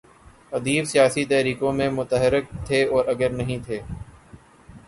ادیب سیاسی تحریکوں میں متحرک تھے اور اگر نہیں تھے۔